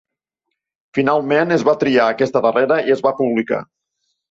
Finalment es va triar aquesta darrera i es va publicar.